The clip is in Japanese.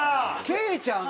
ケイちゃん